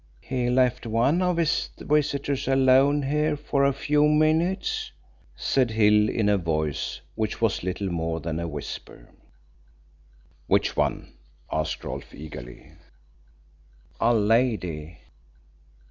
"He left one of his visitors alone here for a few minutes," said Hill in a voice which was little more than a whisper. "Which one?" asked Rolfe eagerly. "A lady."